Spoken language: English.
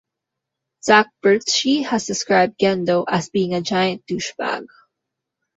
Zac Bertschy has described Gendo as being "a giant douchebag".